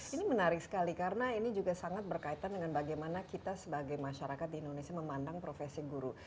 ini menarik sekali karena ini juga sangat berkaitan dengan bagaimana kita sebagai masyarakat di indonesia memandang profesi guru